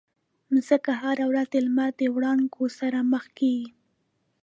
مځکه هره ورځ د لمر د وړانګو سره مخ کېږي.